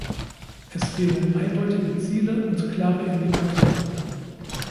Es fehlen eindeutige Ziele und klare Indikatoren.